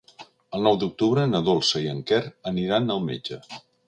El nou d'octubre na Dolça i en Quer aniran al metge.